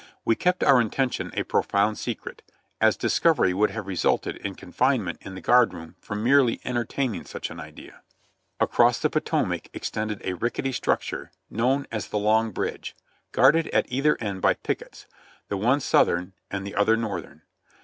We kept our intention a profound secret, as discovery would have resulted in confinement in the guard room for merely entertaining such an idea. Across the Potomac extended a rickety structure known as the Long Bridge, guarded at either end by pickets, the one Southern and the other Northern.